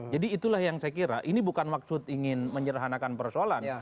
jadi itulah yang saya kira ini bukan maksud ingin menyerahanakan persoalan